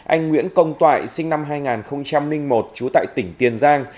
anh nguyễn công toại sinh năm hai nghìn một trú tại tỉnh tiền giang